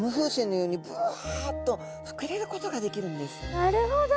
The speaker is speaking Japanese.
なるほど。